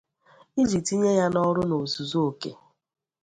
iji tinye ya n'ọrụ n'ozuzuoke